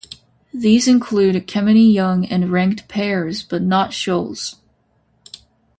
These include Kemeny-Young and ranked pairs, but not Schulze.